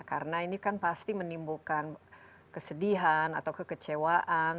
karena ini kan pasti menimbulkan kesedihan atau kekecewaan